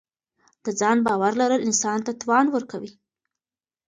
د ځان باور لرل انسان ته توان ورکوي.